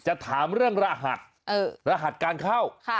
จะถามเรื่องรหัสรหัสการเข้า